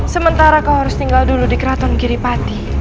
sementara kau harus tinggal dulu di keraton giripati